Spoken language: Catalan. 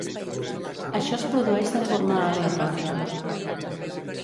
Això es produeix de forma aleatòria.